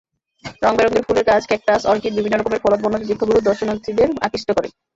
রংবেরঙের ফুলের গাছ, ক্যাকটাস, অর্কিড, বিভিন্ন রকমের ফলদ-বনজ বৃক্ষগুলো দর্শনার্থীদের আকৃষ্ট করছে।